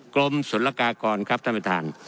กรมศุลกากรครับท่านประธาน